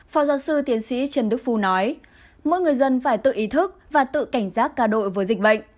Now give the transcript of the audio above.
phó giáo sư tiến sĩ trần đức phu nói mỗi người dân phải tự ý thức và tự cảnh giác cao đội với dịch bệnh